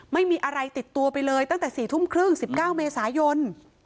ไม่มีอะไรติดตัวไปเลยตั้งแต่๔ทุ่มครึ่ง๑๙เมษายน